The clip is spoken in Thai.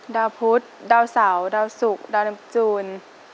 ดาวพุทธดาวเสาดาวสุกดาวน้ำจูน